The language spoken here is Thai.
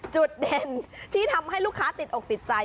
จุดเด่นที่ทำให้ลูกค้าติดอกติดใจ